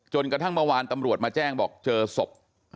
กระทั่งเมื่อวานตำรวจมาแจ้งบอกเจอศพ